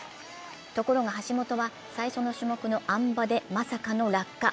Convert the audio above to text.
ところが橋本は最初の種目のあん馬でまさかの落下。